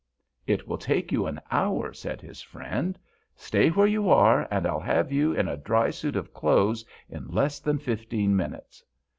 "It will take you an hour," said his friend. "Stay where you are, and I'll have you in a dry suit of clothes in less than fifteen minutes."